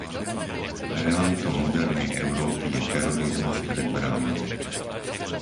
Realitou modernej Európy je terorizmus pred bránami.